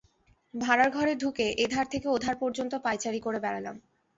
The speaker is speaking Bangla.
ভঁড়ারঘরে ঢুকে এ-ধার থেকে ও ধার পর্যন্ত পায়চারি করে বেড়ালাম।